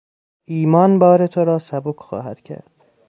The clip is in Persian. ایمان بار تو را سبک خواهد کرد.